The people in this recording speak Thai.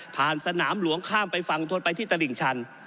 สนามหลวงข้ามไปฝั่งทนไปที่ตลิ่งชัน